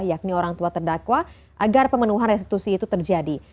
yakni orang tua terdakwa agar pemenuhan restitusi itu terjadi